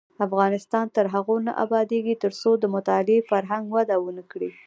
افغانستان تر هغو نه ابادیږي، ترڅو د مطالعې فرهنګ وده ونه کړي.